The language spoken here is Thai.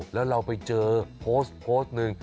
แล้วเราไปเจอโพสต์หนึ่ง